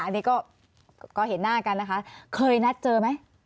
อันนี้ก็เห็นหน้ากันนะคะเคยนัดเจอไหม